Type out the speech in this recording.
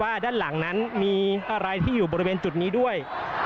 ด้านหลังนั้นมีอะไรที่อยู่บริเวณจุดนี้ด้วย